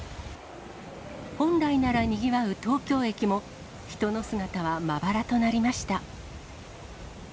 本来ならにぎわう東京駅も、人の姿はまばらとなりました。